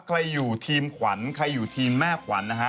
ใครอยู่ทีมขวัญใครอยู่ทีมแม่ขวัญนะฮะ